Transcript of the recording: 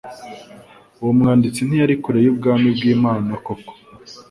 Uwo mwanditsi ntiyari kure y'ubwami bw'Imana koko,